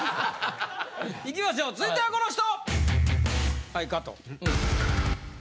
いきましょう続いてはこの人！